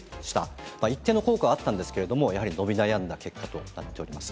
一定の効果はあったんですけれども、やはり伸び悩んだ結果となっております。